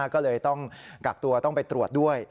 ก็เลยต้องกักตัวต้องไปตรวจด้วย